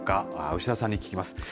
牛田さんに聞きます。